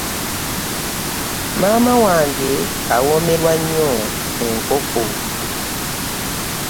Maama wange awomerwa nnyo enkoko.